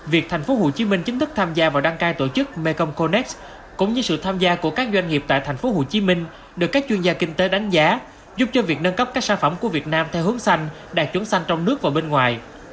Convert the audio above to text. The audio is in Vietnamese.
việc thành phố hồ chí minh chính thức tham gia vào đăng cai tổ chức mekong connect cũng như sự tham gia của các doanh nghiệp tại thành phố hồ chí minh được các chuyên gia kinh tế đánh giá giúp cho việc nâng cấp các sản phẩm của việt nam theo hướng xanh đạt trúng xanh trong nước và bên ngoài